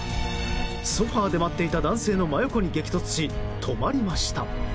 ソファで待っていた男性の真横に激突し、止まりました。